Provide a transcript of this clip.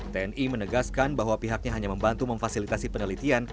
tni menegaskan bahwa pihaknya hanya membantu memfasilitasi penelitian